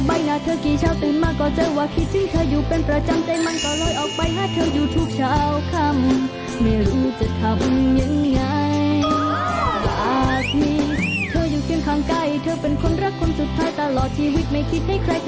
ไม่มีทางได้ในใจก็ทิ้งโอกาสตรงนี้บอกกันซะเลย